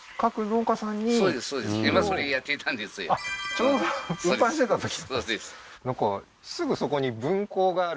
ちょうど運搬してたとき？